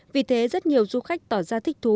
vì thế rất nhiều du khách tỏ ra thích thú